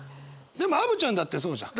でもアヴちゃんだってそうじゃん。